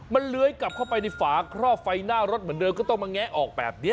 มันเลื้อยกลับเข้าไปในฝาครอบไฟหน้ารถเหมือนเดิมก็ต้องมาแงะออกแบบนี้